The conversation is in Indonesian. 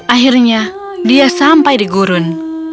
akhirnya dia sampai di gurun